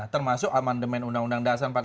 termasuk amandemen undang undang dasar empat puluh lima